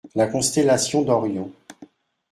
La constellation d’Orion.